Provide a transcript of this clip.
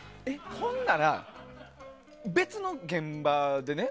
ほんなら別の現場でね